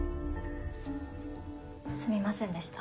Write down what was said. すみませんでした。